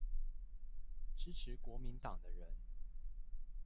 支持國民黨的人